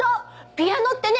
ピアノってね